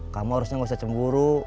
kamu harusnya gak usah cemburu